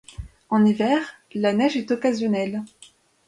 En hiver, la neige est occasionnelle.